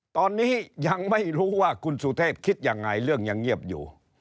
ตอนนี้ยังไม่รู้ว่าคุณสุเทพคิดยังไงเรื่องยังเงียบอยู่